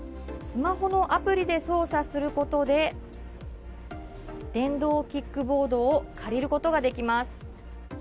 スマホのアプリで操作することで電動キックボードを借りることができます。